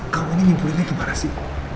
kamu ini ngumpulinnya gimana sih